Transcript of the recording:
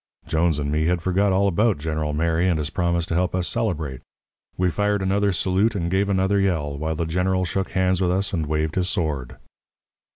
Jones and me had forgot all about General Mary and his promise to help us celebrate. We fired another salute and gave another yell, while the General shook hands with us and waved his sword.